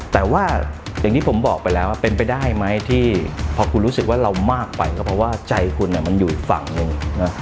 แต่ว่าอย่างที่ผมบอกไปแล้วเป็นไปได้ไหมที่พอคุณรู้สึกว่าเรามากไปก็เพราะว่าใจคุณมันอยู่อีกฝั่งหนึ่ง